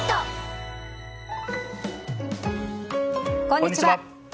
こんにちは。